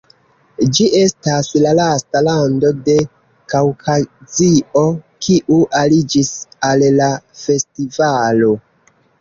Ĝi estas la lasta lando de Kaŭkazio kiu aliĝis al la festivalo.